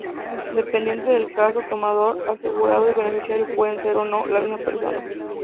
Dependiendo del caso, tomador, asegurado y beneficiario pueden ser, o no, la misma persona.